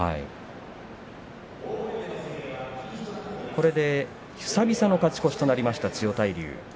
これで久々の勝ち越しとなりました千代大龍。